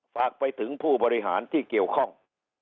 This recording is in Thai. ฝากไปถึงผู้บริหารที่เกี่ยวข้อง